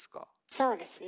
そうですね。